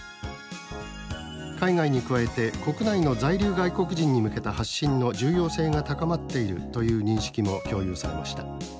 海外に加えて国内の在留外国人に向けた発信の重要性が高まっているという認識も共有されました。